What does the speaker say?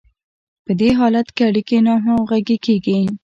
په دې حالت کې اړیکې ناهمغږې کیږي.